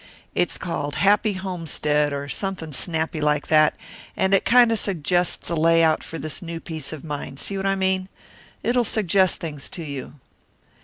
It's called Happy Homestead or something snappy like that, and it kind of suggests a layout for this new piece of mine, see what I mean? It'll suggest things to you.